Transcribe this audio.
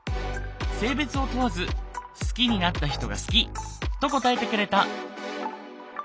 性別を問わず好きになった人が好きと答えてくれた。